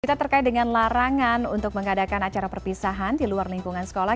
kita terkait dengan larangan untuk mengadakan acara perpisahan di luar lingkungan sekolah